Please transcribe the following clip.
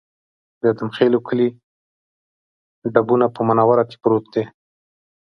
د ادم خېلو کلی ډبونه په منوره کې پروت دی